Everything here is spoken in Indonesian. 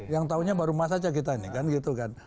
yang tahunya baru mas saja kita ini kan gitu kan